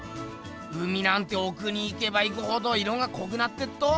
海なんておくに行けば行くほど色がこくなってっと！